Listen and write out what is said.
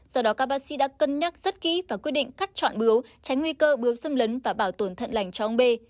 do đó các bác sĩ đã cân nhắc rất kỹ và quyết định cắt chọn bướu tránh nguy cơ bướu xâm lấn và bảo tồn thận lành cho ông b